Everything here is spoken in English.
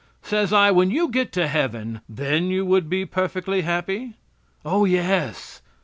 Says I: "When you get to heaven, then you would be perfectly happy?" "Oh, yes."